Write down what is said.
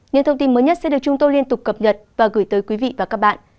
những thông tin mới nhất sẽ được chúng tôi liên tục cập nhật và gửi tới quý vị và các bạn